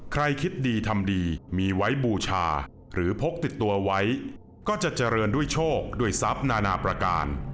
คิดดีทำดีมีไว้บูชาหรือพกติดตัวไว้ก็จะเจริญด้วยโชคด้วยทรัพย์นานาประการ